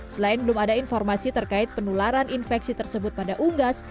selain belum ada informasi terkait penularan infeksi tersebut pada unggas